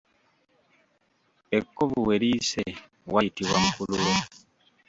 Ekkovu we liyise wayitibwa mukululo.